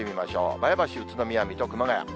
前橋、宇都宮、水戸、熊谷。